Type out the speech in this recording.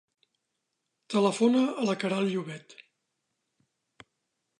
Telefona a la Queralt Llobet.